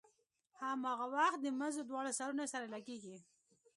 هماغه وخت د مزو دواړه سرونه سره لګېږي.